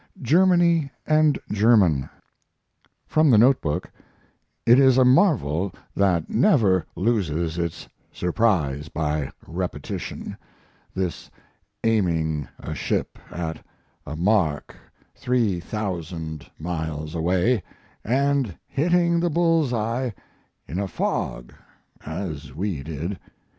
GERMANY AND GERMAN From the note book: It is a marvel that never loses its surprise by repetition, this aiming a ship at a mark three thousand miles away and hitting the bull's eye in a fog as we did.